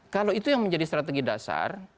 kalau itu yang menjadi strategi dasar